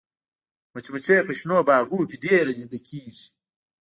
مچمچۍ په شنو باغونو کې ډېره لیدل کېږي